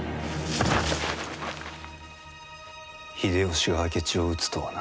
秀吉が明智を討つとはな。